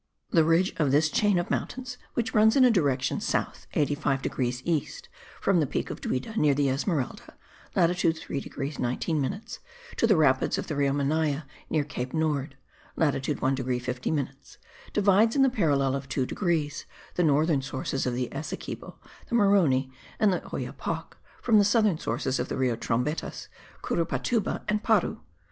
The ridge of this chain of mountains, which runs in a direction south 85 degrees east from the peak of Duida near the Esmeralda (latitude 3 degrees 19 minutes), to the rapids of the Rio Manaye near Cape Nord (latitude 1 degree 50 minutes), divides, in the parallel of 2 degrees, the northern sources of the Essequibo, the Maroni and the Oyapoc, from the southern sources of the Rio Trombetas, Curupatuba and Paru.